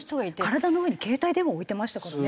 体の上に携帯電話置いてましたからね。